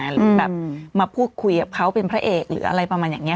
หรือแบบมาพูดคุยกับเขาเป็นพระเอกหรืออะไรประมาณอย่างนี้